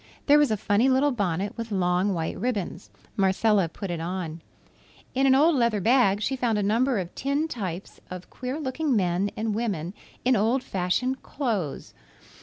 There was a funny little bonnet with long white ribbons. Marcella put it on. In an old leather bag she found a number of tin types of queer looking men and women in old fashioned clothes.